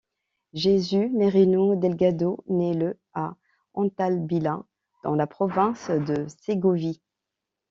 Jesús Merino Delgado naît le à Hontalbilla, dans la province de Ségovie.